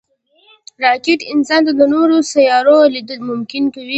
راکټ انسان ته د نورو سیارو لید ممکن کوي